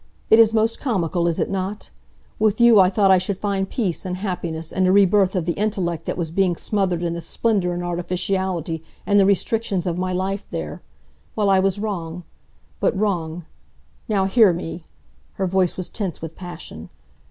It is most comical, is it not? With you I thought I should find peace, and happiness and a re birth of the intellect that was being smothered in the splendor and artificiality and the restrictions of my life there. Well, I was wrong. But wrong. Now hear me!" Her voice was tense with passion.